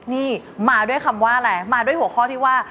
นี่มาด้วยคำว่าอะไรมาด้วยหัวข้อที่ว่า